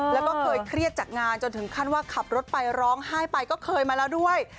แล้วก็เคยเครียดจากงานจนถึงขั้นว่าขับรถไปร้องไห้ไปก็เคยมาแล้วด้วย